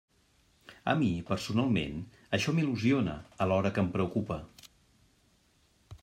A mi, personalment, això m'il·lusiona alhora que em preocupa.